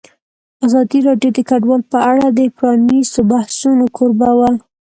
ازادي راډیو د کډوال په اړه د پرانیستو بحثونو کوربه وه.